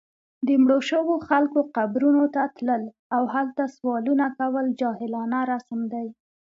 د مړو شوو خلکو قبرونو ته تلل، او هلته سوالونه کول جاهلانه رسم دی